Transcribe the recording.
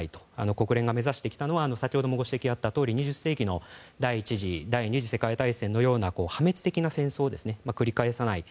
国連が目指してきたのは先ほどもご指摘があったとおり２０世紀の第１次、第２次世界大戦のような破滅的な戦争を繰り返さない。